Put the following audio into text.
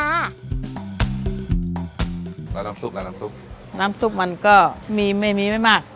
แล้วน้ำซุปล่ะน้ำซุปน้ำซุปมันก็มีไม่มีไม่มาก